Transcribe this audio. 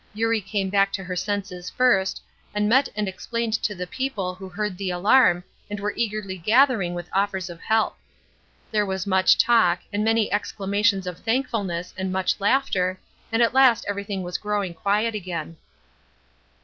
Eurie came back to her senses first, and met and explained to the people who had heard the alarm, and were eagerly gathering with offers of help. There was much talk, and many exclamations of thankfulness and much laughter, and at last everything was growing quiet again.